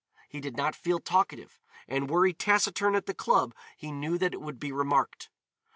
He did not feel talkative, and were he taciturn at the club he knew that it would be remarked.